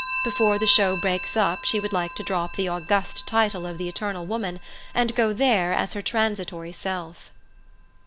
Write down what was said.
Before the show breaks up she would like to drop the august title of the Eternal Woman, and go there as her transitory self.